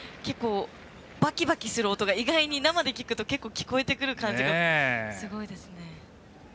バキバキする音が生で聞くと聞こえてくる感じがすごいですね。